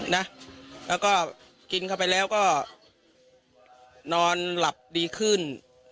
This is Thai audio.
แล้วก็กินเข้าไปแล้วก็นอนหลับดีขึ้น